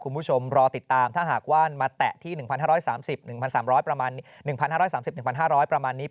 คุณผู้ชมรอติดตามถ้าหากว่ามาแตะที่๑๕๓๐๑๓๐๐ประมาณนี้